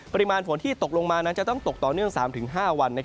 ปริมาณฝนที่ตกลงมานั้นจะต้องตกต่อเนื่อง๓๕วัน